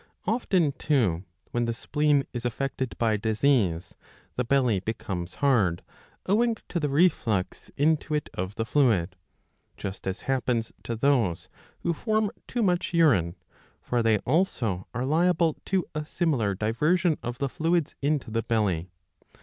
Often too, when the spleen is affected by disease, the belly becomes hard ^^ owing to the reflux into it of the fluid ; just as happens to those who form too much urine, for they also are liable to a similar diversion of the fluids into the belly.